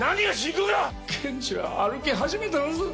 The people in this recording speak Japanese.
賢治は歩き始めたんず。